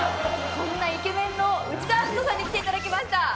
そんなイケメンの内田篤人さんに来て頂きました。